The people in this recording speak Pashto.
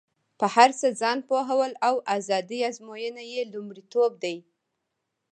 په هر څه ځان پوهول او ازادي ازموینه یې لومړیتوب دی.